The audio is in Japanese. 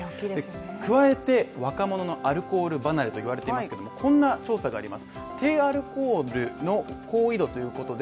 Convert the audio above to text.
加えて、若者のアルコール離れと言われてますけども、こんな調査があります。